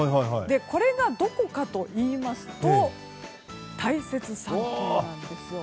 これがどこかというと大雪山系なんですよ。